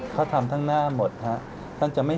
ขอบคุณพี่ด้วยนะครับ